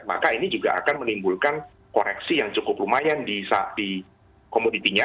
maka ini juga akan menimbulkan koreksi yang cukup lumayan di komoditinya